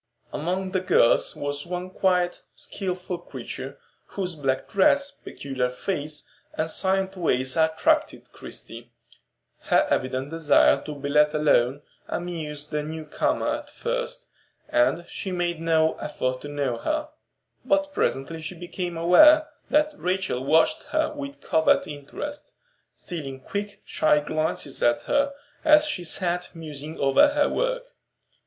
Among the girls was one quiet, skilful creature, whose black dress, peculiar face, and silent ways attracted Christie. Her evident desire to be let alone amused the new comer at first, and she made no effort to know her. But presently she became aware that Rachel watched her with covert interest, stealing quick, shy glances at her as she sat musing over her work.